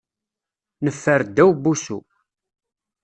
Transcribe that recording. Neffer ddaw n wussu.